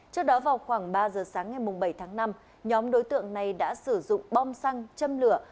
trước đó vào khoảng ba giờ sáng ngày bảy tháng năm nhóm đối tượng này đã sử dụng bom xăng châm lửa